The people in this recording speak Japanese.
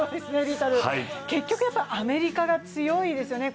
結局、アメリカが強いですよね。